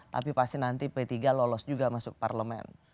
tapi pasti nanti p tiga lolos juga masuk parlemen